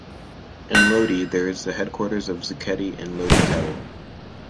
In Lodi there is the headquarters of 'Zucchetti', in Lodi Tower.